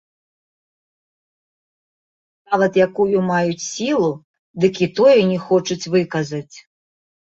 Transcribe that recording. Нават якую маюць сілу, дык і тое не хочуць выказаць.